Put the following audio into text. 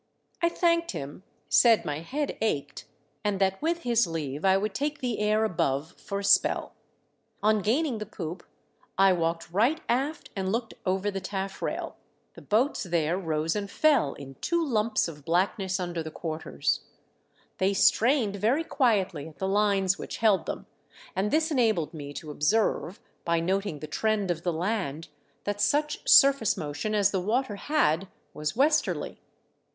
I thanked him, said my head ached, and that with his leave I would take the air above for a spell. On gaining the poop I walked right aft and looked over the taffrail. The boats THE WEATHER HELPS MY SCHEME. 4S5 there rose and fell in two lumps of blackness under the quarters. They strained very quietly at the lines which held them, and this enabled me to observe, by noting the trend of the land, that such surface motion as the water had was westerly.